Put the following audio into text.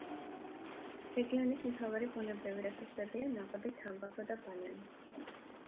რეგიონის მთავარი ბუნებრივი რესურსებია: ნავთობი, თამბაქო და ბანანი.